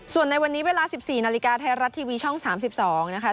ส่วนในวันนี้เวลา๑๔นาฬิกาไทยรัฐทีวีช่อง๓๒นะคะ